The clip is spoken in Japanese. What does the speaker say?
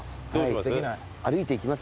歩いていきます？